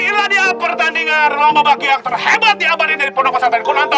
ini adalah pertandingan lomba bakiak terhebat di abadi dari penduduk pasangan kunanta